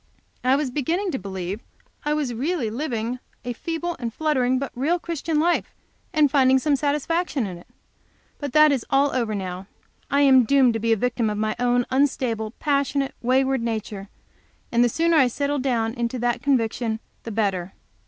I was beginning to believe that I was really living a feeble and fluttering, but real Christian life, and finding some satisfaction in it. But that is all over now. I am doomed to be a victim of my own unstable, passionate, wayward nature, and the sooner I settle down into that conviction, the better.